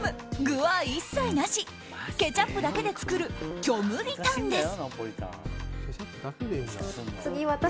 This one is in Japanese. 具は一切なしケチャップだけで作る虚無リタンです。